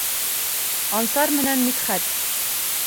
Ансар менән Мидхәт.